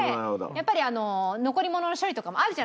やっぱり残り物の処理とかもあるじゃないですか。